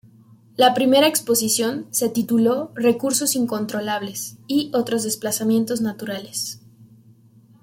La primera exposición se tituló "Recursos incontrolables y otros desplazamientos naturales".